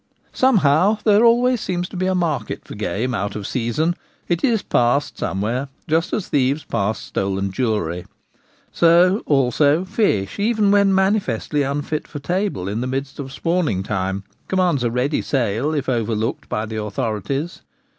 Somehow there always seems to be a market far game out of season : it is 'passed' somewhere, just as thieves pass stolen jewellery. So also fish,, even when manifestly unfit for table, in the midst of spawning time, commands a ready sale if overlooked by die authorities.